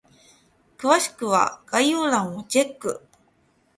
詳しくは概要欄をチェック！